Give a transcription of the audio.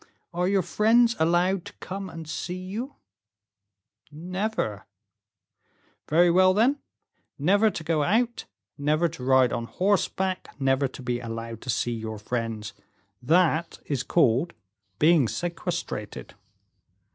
"Are your friends allowed to come and see you?" "Never." "Very well, then; never to go out, never to ride on horseback, never to be allowed to see your friends, that is called being sequestrated."